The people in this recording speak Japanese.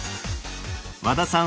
和田さん